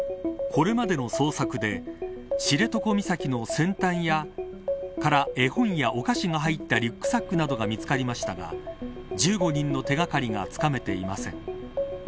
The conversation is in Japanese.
これまでの捜索で知床岬の先端や絵本やお菓子が入ったリュックサックなどが見つかりましたが１５人の手掛かりがつかめていません。